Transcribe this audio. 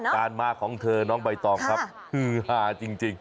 การมาของเธอน้องใบตองครับฮือหาจริง